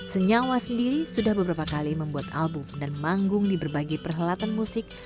senyawa sendiri sudah beberapa kali membuat album dan manggung di berbagai perhelatan musik